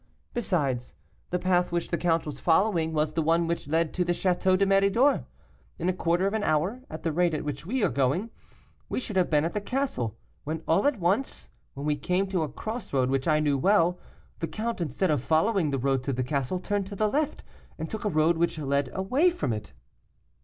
Besides, the path which the count was following was the one which led to the Château de Méridor. In a quarter of an hour, at the rate at which we are going, we should have been at the castle, when all at once, when we came to a cross road which I knew well, the count, instead of following the road to the castle, turned to the left, and took a road which led away from it.